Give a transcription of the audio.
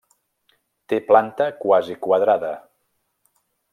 Té planta quasi quadrada.